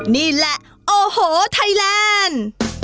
นี่แหละโอ้โหไทยแลนด์